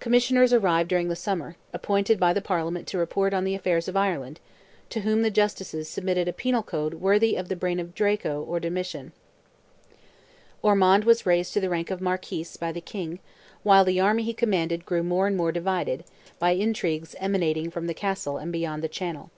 Commissioners arrived during the summer, appointed by the Parliament to report on the affairs of Ireland, to whom the Justices submitted a penal code worthy of the brain of Draco or Domitian; Ormond was raised to the rank of Marquis, by the King; while the army he commanded grew more and more divided, by intrigues emanating from the castle and beyond the channel.